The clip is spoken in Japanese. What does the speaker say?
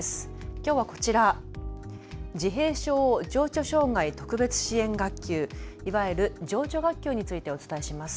きょうはこちら、自閉症・情緒障害特別支援学級、いわゆる情緒学級についてお伝えします。